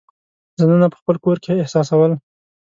ځانونه په خپل کور کې احساسول.